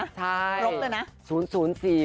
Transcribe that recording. ครบเลยนะ